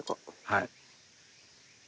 はい。